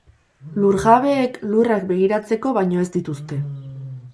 Lurjabeek lurrak begiratzeko baino ez dituzte.